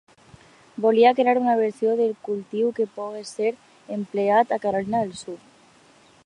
Volia crear una versió del cultiu que pogués ser empleat en Carolina del Sud.